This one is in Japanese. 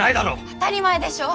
当たり前でしょ！